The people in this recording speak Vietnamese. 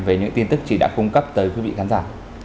với những tin tức chỉ đã cung cấp tới quý vị khán giả